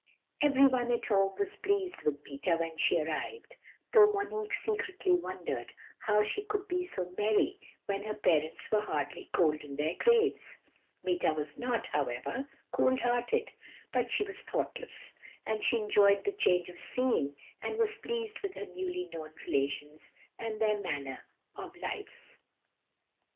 "Everyone at home was pleased with Meeta when she arrived, though Monique secretly wondered how she could be so merry when her parents were hardly cold in their graves. Meeta was not, however, cold hearted, but she was thoughtless, and she enjoyed the change of scene, and was pleased with her newly known relations and their manner of life.